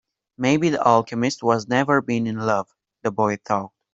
Maybe the alchemist has never been in love, the boy thought.